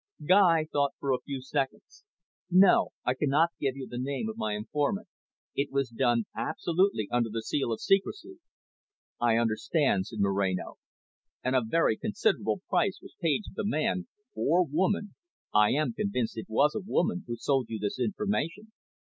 Guy thought for a few seconds. "No, I cannot give you the name of my informant. It was done absolutely under the seal of secrecy." "I understand," said Moreno. "And a very considerable price was paid to the man or woman I am convinced it was a woman, who sold you this information."